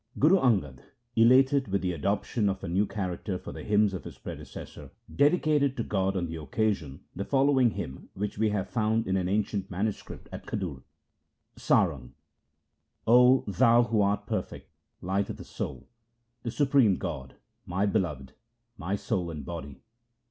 Guru Angad, elated with the adoption of a new character for the hymns of his predecessor, dedicated to God on the occasion the following hymn which we have found in an ancient manuscript 1 at Khadur :— Sarang 0 Thou who art perfect, light of the soul, the Supreme God, my beloved, my soul and body.